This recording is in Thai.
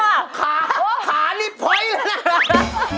ขาขานี่เพาะเร็ดเลยอ่ะ